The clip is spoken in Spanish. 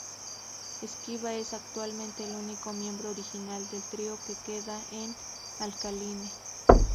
Skiba es, actualmente, el único miembro original del trío que queda en Alkaline.